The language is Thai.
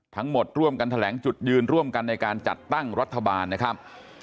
ร่วมกันแถลงจุดยืนร่วมกันในการจัดตั้งรัฐบาลนะครับ